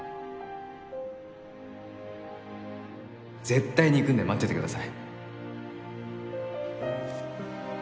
絶対に行くんで待っててください。